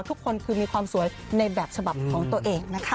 ทุกคนคือมีความสวยในแบบฉบับของตัวเองนะคะ